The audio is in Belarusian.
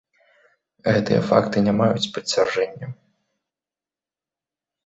Гэтыя факты не маюць пацвярджэнняў.